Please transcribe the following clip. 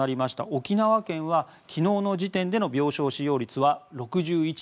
沖縄県は昨日の時点での病床使用率は６１．３％。